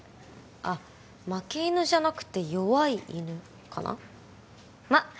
あっ負け犬じゃなくて弱い犬かなまっ